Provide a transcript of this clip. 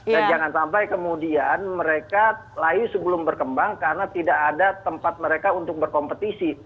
dan jangan sampai kemudian mereka layu sebelum berkembang karena tidak ada tempat mereka untuk berkompetisi